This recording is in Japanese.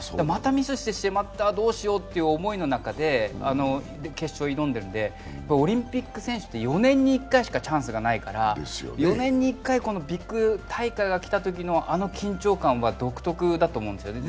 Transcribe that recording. またミスしてしまった、どうしようという思いの中で決勝に挑んでいるんで、オリンピック選手って４年に１回しかチャンスがないから４年に１回ビッグ大会がきたときのあの緊張感は独特だと思うんです。